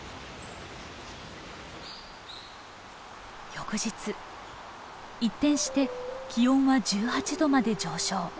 翌日一転して気温は１８度まで上昇。